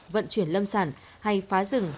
vận chuyển lâm sản hay phá rừng